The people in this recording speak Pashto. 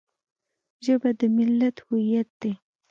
ژبه د ملت هویت دی